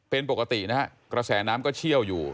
เป็นปกตินะฮะกระแสน้ำก็เชี่ยวอยู่